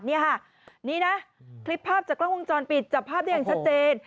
นี่ค่ะนี่นะคลิปภาพจากกล้องวงจรปิดจับภาพได้อย่างชัดเจน